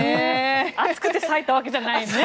暑くて裂いたわけじゃないんですね。